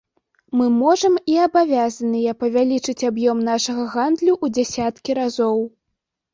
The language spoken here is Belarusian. Мы можам і абавязаныя павялічыць аб'ём нашага гандлю ў дзясяткі разоў.